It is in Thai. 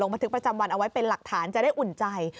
บันทึกประจำวันเอาไว้เป็นหลักฐานจะได้อุ่นใจ